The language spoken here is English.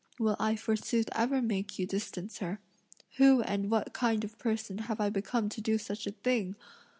"Will I forsooth ever make you distance her! who and what kind of person have I become to do such a thing?